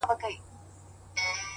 دغه دی مړه شوه